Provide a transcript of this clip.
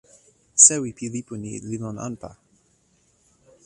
sewi pi lipu ni li lon anpa.